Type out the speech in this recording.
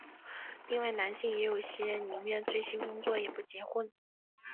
另外男性也有些宁愿醉心工作也不结婚。